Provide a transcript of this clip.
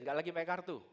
gak lagi pakai kartu